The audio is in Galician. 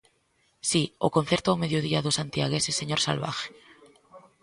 Si, o concerto ao mediodía dos santiagueses Señor Salvaje.